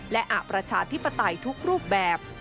และอประชาธิปไตยทุกรูปแบบ